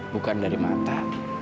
bukan dari mata